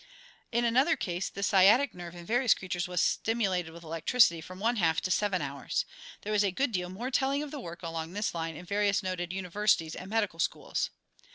In another case the sciatic nerve in various creatures was stimulated with electricity from one half to seven hours. There was a good deal more telling of the work along this line in various noted universities and medical schools.